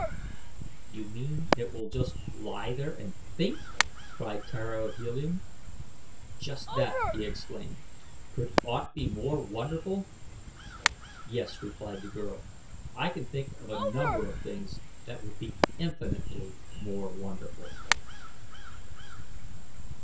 "You mean it will just lie there and think?" cried Tara of Helium. "Just that!" he exclaimed. "Could aught be more wonderful?" "Yes," replied the girl, "I can think of a number of things that would be infinitely more wonderful."